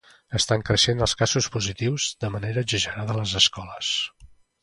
Estan creixent els casos positius de manera exagerada a les escoles.